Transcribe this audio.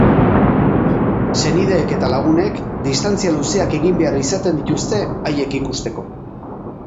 Senideek eta lagunek distantzia luzeak egin behar izaten dituzte haiek ikusteko.